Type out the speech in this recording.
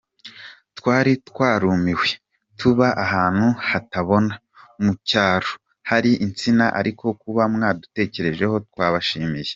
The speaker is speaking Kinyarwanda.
Twari twarumiwe, tuba ahantu hatabona, mu cyaro, hari insina ariko kuba mwadutekerejeho twabashimiye.